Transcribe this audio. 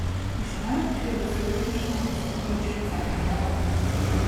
Die Schranktür des Küchenschranks quietscht seit einer Woche.